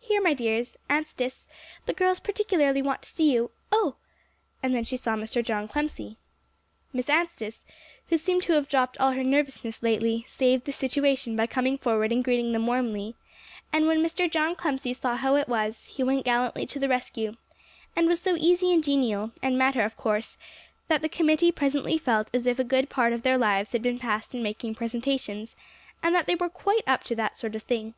"Here, my dears Anstice, the girls particularly want to see you oh!" and then she saw Mr. John Clemcy. Miss Anstice, who seemed to have dropped all her nervousness lately, saved the situation by coming forward and greeting them warmly; and when Mr. John Clemcy saw how it was, he went gallantly to the rescue, and was so easy and genial, and matter of course, that the committee presently felt as if a good part of their lives had been passed in making presentations, and that they were quite up to that sort of thing.